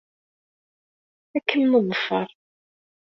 Ad kem-neḍfer.